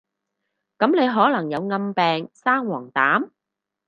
噉你可能有暗病生黃疸？